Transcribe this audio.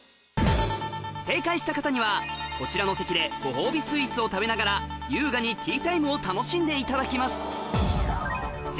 正解した方にはこちらの席でご褒美スイーツを食べながら優雅にティータイムを楽しんでいただきます